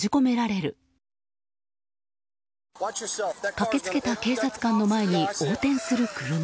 駆けつけた警察官の前に横転する車。